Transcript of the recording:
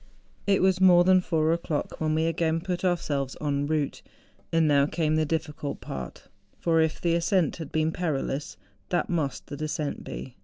It was more than four o'clock when we again put ourselves en route. And now came the difficult part; for if the ascent had been perilous ^hat must the descent be!